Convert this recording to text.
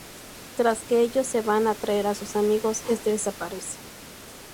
Tras que ellos se van a traer a sus amigos, este desaparece.